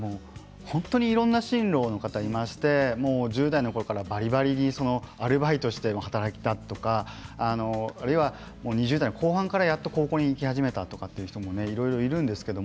本当にいろんな進路の方がいまして、１０代のころからばりばりアルバイトして働いたとか２０代後半からやっと高校に行き始めたという人もいろいろいます。